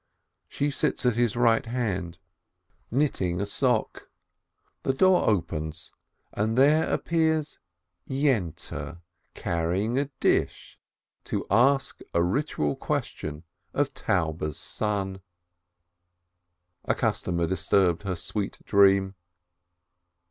She sits at his right hand knitting a A SCHOLAR'S MOTHER 523 sock, the door opens, and there appears Yente carrying a dish, to ask a ritual question of Taube's son. A customer disturbed her sweet dream.